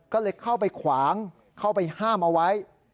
ก็เลยเข้าไปขวางเข้าไปห้ามเอาไว้